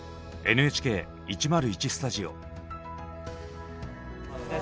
ＮＨＫ１０１スタジオ。